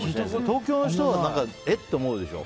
東京の人は、えって思うでしょ。